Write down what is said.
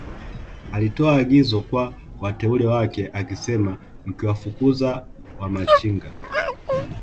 alitoa agizo kwa wateule wake akisema Mkiwafukuza Wamachinga